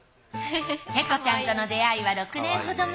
ペコちゃんとの出会いは６年程前。